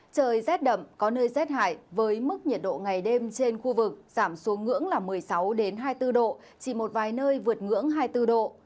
trời rét đậm có nơi rét hại với mức nhiệt độ ngày đêm trên khu vực giảm xuống ngưỡng là một mươi sáu hai mươi bốn độ chỉ một vài nơi vượt ngưỡng hai mươi bốn độ